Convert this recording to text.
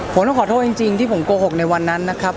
ผมต้องขอโทษจริงที่ผมโกหกในวันนั้นนะครับ